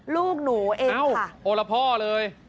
ลูกหนูเองเอ้าโอละพ่อเลย